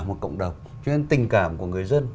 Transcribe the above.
một cộng đồng cho nên tình cảm của người dân